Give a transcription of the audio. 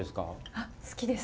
あっ好きです。